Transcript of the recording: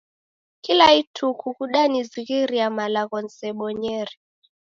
Kila ituku kudanizighiria malagho nisebonyere